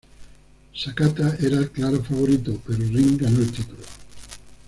Sakata era el claro favorito, pero Rin ganó el título.